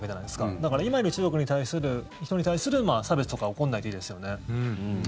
だから今いる中国の人に対する差別とか起こらないといいですよね。